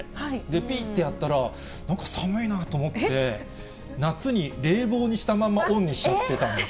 ぴってやったら、なんか寒いなと思って、夏に冷房にしたままオンにしちゃってたんです。